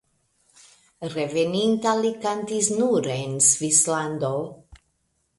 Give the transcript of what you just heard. Reveninta li kantis nur en Svislando.